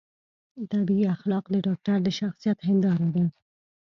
طبي اخلاق د ډاکتر د شخصیت هنداره ده.